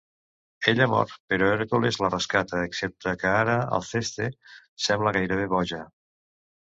Ella mor, però Hèrcules la rescata, excepte que ara Alceste sembla gairebé boja.